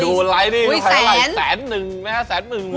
ดูไลน์นี่ใครว่าแสนหนึ่งแม้แสนหนึ่ง